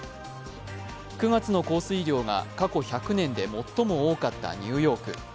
９月の降水量が過去１００年で最も多かったニューヨーク。